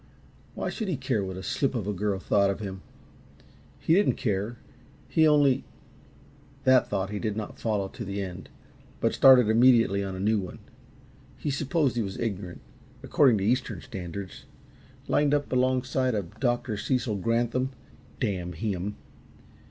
Why should he care what a slip of a girl thought of him? He didn't care; he only that thought he did not follow to the end, but started immediately on a new one. He supposed he was ignorant, according to Eastern standards. Lined up alongside Dr. Cecil Granthum damn him!